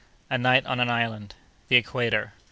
—A Night on an Island.—The Equator.